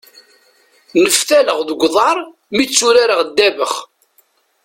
Neftaleɣ deg uḍar mi tturareɣ ddabex.